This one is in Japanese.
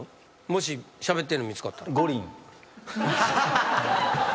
もししゃべってんの見つかったら。